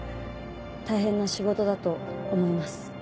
大変な仕事だと思います。